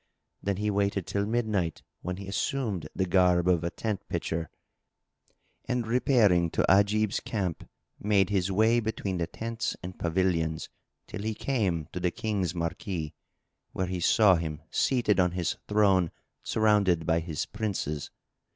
Then he waited till midnight, when he assumed the garb of a tent pitcher; and, repairing to Ajib's camp, made his way between the tents and pavilions till he came to the King's marquee, where he saw him seated on his throne surrounded by his Princes.